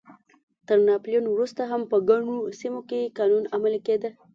تر ناپلیون وروسته هم په ګڼو سیمو کې قانون عملی کېده.